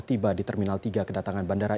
tiba di terminal tiga kedatangan bandara